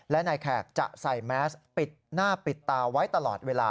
และนายแขกจะใส่แมสปิดหน้าปิดตาไว้ตลอดเวลา